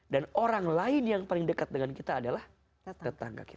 dan orang lain yang paling dekat dengan kita adalah tetangga kita